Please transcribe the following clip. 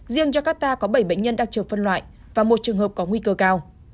riêng jakarta có bảy bệnh nhân đang chờ phân loại và một trường hợp có nguy cơ cao